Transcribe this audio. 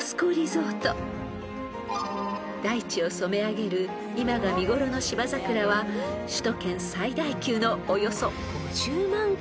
［大地を染め上げる今が見頃の芝桜は首都圏最大級のおよそ５０万株］